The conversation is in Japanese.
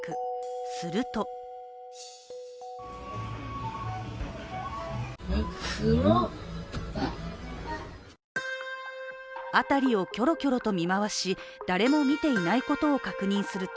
すると辺りをきょろきょろと見回し誰も見ていないことを確認すると